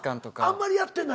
あんまりやってないの？